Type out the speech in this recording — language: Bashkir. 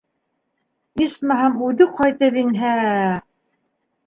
Исмаһам, үҙе ҡайтып инһә!